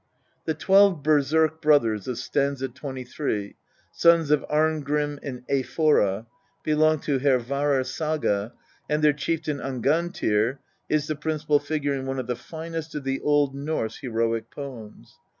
The twelve berserk brothers of st. 23, sons of Arngrim and Eyfora, belong to Hervarar Saga, and their chieftain Angantyr is the principal figure in one of the finest of the Old Norse heroic poems.